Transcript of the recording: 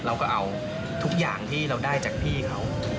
เราก็เอาทุกอย่างที่เราได้จากพี่เขา